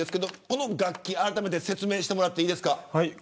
この楽器、あらためて説明していただいていいですか。